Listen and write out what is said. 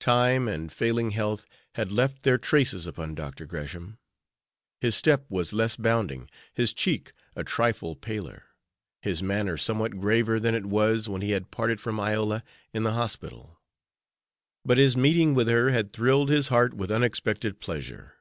Time and failing health had left their traces upon Dr. Gresham. His step was less bounding, his cheek a trifle paler, his manner somewhat graver than it was when he had parted from Iola in the hospital, but his meeting with her had thrilled his heart with unexpected pleasure.